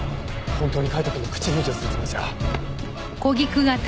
本当に海斗くんの口封じをするつもりじゃ！？